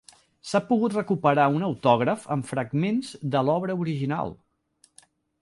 S'ha pogut recuperar un autògraf amb fragments de l'obra original.